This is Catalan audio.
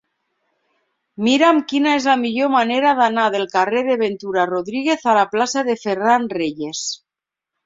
Mira'm quina és la millor manera d'anar del carrer de Ventura Rodríguez a la plaça de Ferran Reyes.